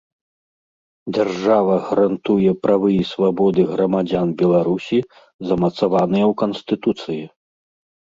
Дзяржава гарантуе правы і свабоды грамадзян Беларусі, замацаваныя ў Канстытуцыі.